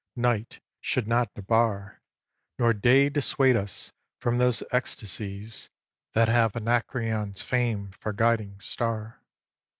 Night should not debar, Nor day dissuade us, from those ecstacies That have Anacreon's fame for guiding star.